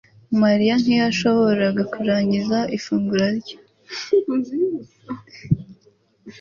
Mariya ntiyashoboraga kurangiza ifunguro rye